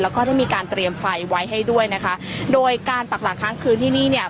แล้วก็ได้มีการเตรียมไฟไว้ให้ด้วยนะคะโดยการปักหลักค้างคืนที่นี่เนี่ย